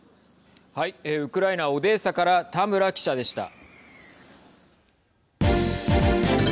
ウクライナオデーサから田村記者でした。